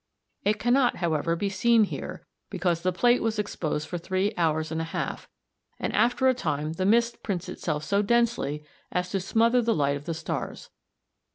It cannot, however, be seen here, because the plate was exposed for three hours and a half, and after a time the mist prints itself so densely as to smother the light of the stars.